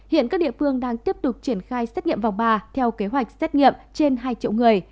hiện các địa phương đang tiếp tục triển khai xét nghiệm vòng ba theo kế hoạch xét nghiệm trên hai triệu người